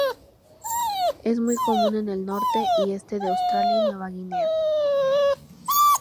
Es muy común en el norte y este de Australia y Nueva Guinea.